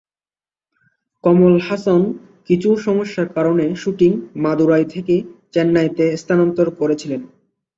কমল হাসন কিছু সমস্যার কারণে শুটিং মাদুরাই থেকে চেন্নাইতে স্থানান্তর করেছিলেন।